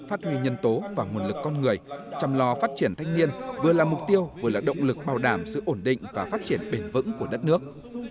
phát huy nhân tố và nguồn lực con người chăm lo phát triển thanh niên vừa là mục tiêu vừa là động lực bảo đảm sự ổn định và phát triển bền vững của đất nước